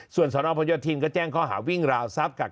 ส่วนสนพยธินก็แจ้งข้อหาวิ่งราวทรัพย์กับ